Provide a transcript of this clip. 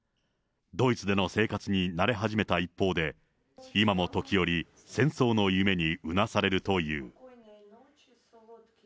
ドイツでの生活に慣れ始めた一方で、今も時折、戦争の夢にうなされるという。